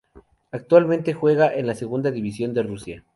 Actualmente juega en la Segunda División de Rusia.